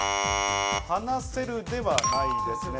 話せるではないですね。